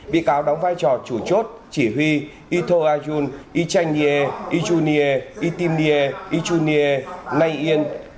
bị cáo đóng vai trò chủ chốt chỉ huy itô ayun ichanye ichunye itimye ichunye nay yen